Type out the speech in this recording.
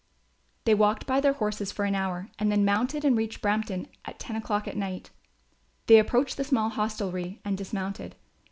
They walked by their horses for an hour and then mounted and reached Brampton at ten o'clock at night. They approached the small hostelry and dismounted.